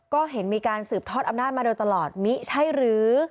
ก็เห็นมีการสืบทอดอำนาจมาโดยตลอดมิใช่หรือ